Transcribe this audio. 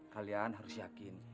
kalian harus yakin